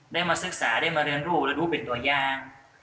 ได้มาศึกษาได้มาเรียนรู้และรู้เป็นตัวอย่าง